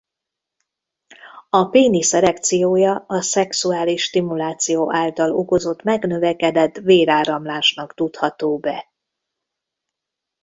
A pénisz erekciója a szexuális stimuláció által okozott megnövekedett véráramlásnak tudható be.